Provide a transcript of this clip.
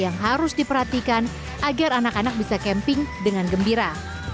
yang harus diperhatikan agar anak anak bisa camping dengan gembira